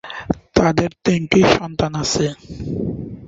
তাদের তিনটি সন্তান আছে।